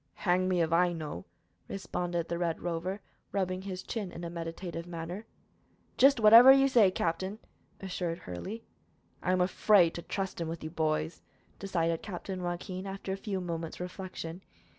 "Hang me if I know," responded the Red Rover, rubbing his chin in a meditative manner. "Jist whatever you say, captain," assured Hurley. "I am afraid to trust him with you, boys," decided Captain Joaquin, after a few moments' reflection.